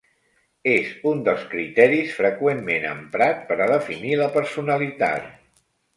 És un dels criteris freqüentment emprat per a definir la personalitat.